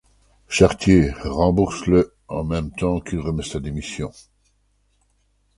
Chartier rembourse le en même temps qu'il remet sa démission.